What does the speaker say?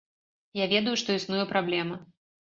Я ведаю, што існуе праблема.